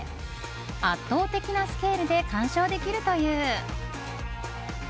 圧倒的なスケールで鑑賞できるという。